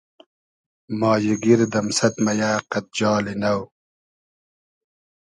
مایی گیر دئمسئد مئیۂ قئد جالی نۆ